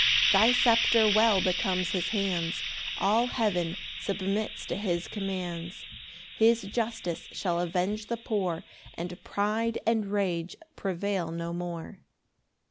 2 Thy sceptre well becomes his hands, All heaven submits to his commands; His justice shall avenge the poor, And pride and rage prevail no more.